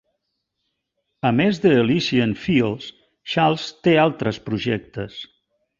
A més d'Elysian Fields, Charles té altres projectes.